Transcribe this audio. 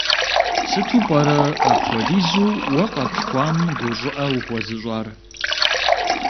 Сыту пӀэрэ апхуэдизу уэ къэплъхуам гу щӀыӀэ ухуэзыщӀар?